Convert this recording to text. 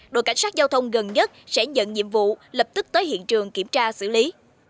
đội cảnh sát giao thông gần nhất sẽ nhận nhiệm vụ lập tức tới hiện trường kiểm tra xử lý